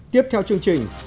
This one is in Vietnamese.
tiếp theo chương trình